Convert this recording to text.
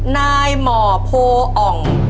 นายหมอโพออ่อง